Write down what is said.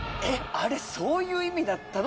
あれそういう意味だったの？